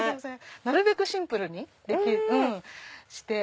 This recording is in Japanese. なるべくシンプルにして。